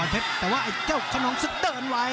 เพชรแต่ว่าไอ้เจ้าขนองศึกเดินไว้